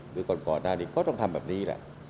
หรือก่อนหน้านี้ก็ต้องทำแบบนี้แหละ